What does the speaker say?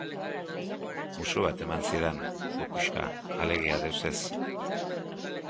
Musu bat eman zidan, kukuska, alegia deus ez.